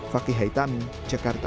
fakih haitami jakarta